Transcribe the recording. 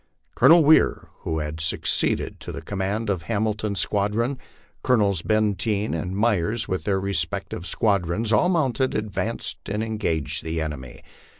Colonel Weir, who had succeeded to the command of Hamilton's squadron, Colonels Bcnteen and Myers with their respective squadrons, all mounted, advanced and engaged the enemy.